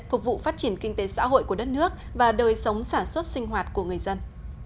phục vụ phát triển kinh tế xã hội của đất nước và đời sống sản xuất sinh hoạt của người dân